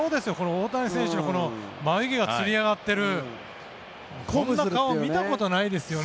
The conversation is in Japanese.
大谷選手の眉毛がつり上がっているこんな顔見たことないですよね。